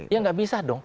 ya enggak bisa dong